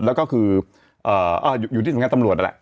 แล้วก็คืออยู่ที่สำคัญตำรวจแหละ